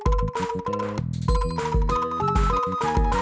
aku bakal berdua lihat klook putih aku